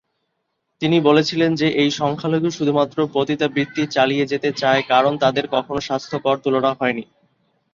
তিনি বলেছিলেন যে এই সংখ্যালঘু শুধুমাত্র পতিতাবৃত্তি চালিয়ে যেতে চায় কারণ "তাদের কখনও স্বাস্থ্যকর তুলনা হয়নি।"